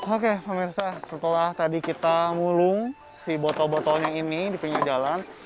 oke pemirsa setelah tadi kita mulung si botol botolnya ini di pinggir jalan